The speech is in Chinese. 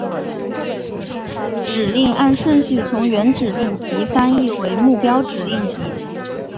指令按顺序从原指令集翻译为目标指令集。